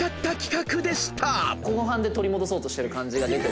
「後半で取り戻そうとしてる感じが出てる」